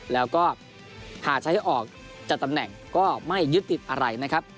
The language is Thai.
แล้วก็หากใช้ออกจากตำแหน่งก็ไม่ยึดติดอะไรนะครับ